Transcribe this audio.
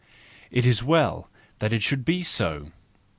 It is well that it should be so!